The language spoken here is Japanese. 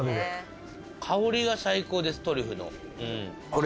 香りが最高ですトリュフの。